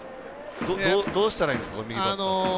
どうしたらいいんですか？